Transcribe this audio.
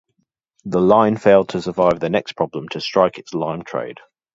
The line failed to survive the next problem to strike its lime trade.